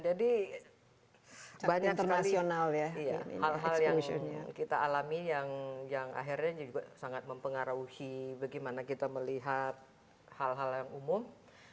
jadi banyak sekali hal hal yang kita alami yang akhirnya juga sangat mempengaruhi bagaimana kita melihat hal hal yang umum